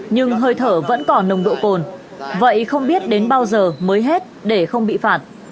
nhưng hơi thở vẫn còn nồng độ cồn vậy không biết đến bao giờ mới hết để không bị phạt